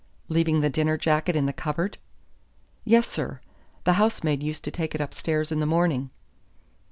"Leaving the dinner jacket in the cupboard?" "Yes, sir. The housemaid used to take it upstairs in the morning."